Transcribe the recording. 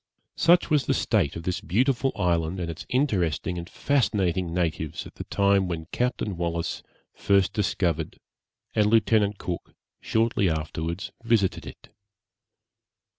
Such was the state of this beautiful island and its interesting and fascinating natives at the time when Captain Wallis first discovered and Lieutenant Cook shortly afterwards visited it.